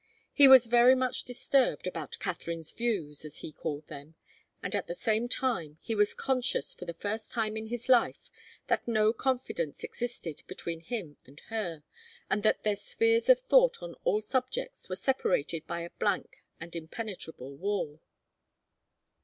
He was very much disturbed about Katharine's views, as he called them, and at the same time he was conscious for the first time in his life that no confidence existed between her and him, and that their spheres of thought on all subjects were separated by a blank and impenetrable wall.